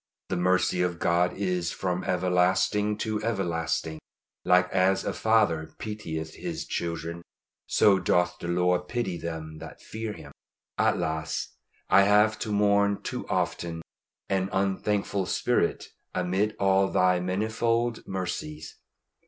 The mercy of God is from everlasting to everlasting. Like as a father pitieth his children, so doth the Lord pity them that fear Him. Alas! I have to mourn too often an unthankful spirit amid all Thy manifold mercies.